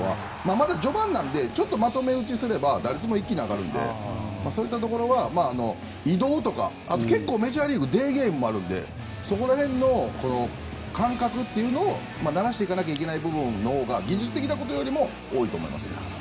まだ序盤なのでまとめ打ちすれば打率も一気に上がるのでそういったところは移動とかあと、結構メジャーリーグはデーゲームもあるのでそこら辺の感覚というのを慣らしていかないといけない部分のほうが技術的なことよりも多いと思います。